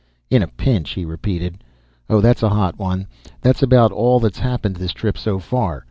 "In a pinch," he repeated. "Oh, that's a hot one. That's about all that's happened this trip, so far.